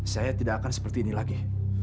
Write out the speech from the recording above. saya tidak akan seperti ini lagi